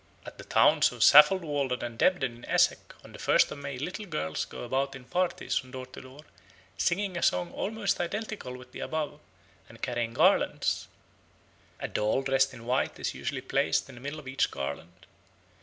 At the towns of Saffron Walden and Debden in Essex on the first of May little girls go about in parties from door to door singing a song almost identical with the above and carrying garlands; a doll dressed in white is usually placed in the middle of each garland.